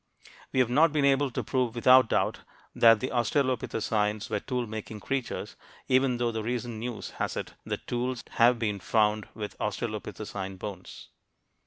We have not been able to prove without doubt that the australopithecines were tool making creatures, even though the recent news has it that tools have been found with australopithecine bones.